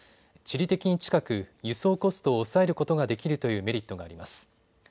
地理的に近く、輸送コストを抑えることができるというメリットがあります。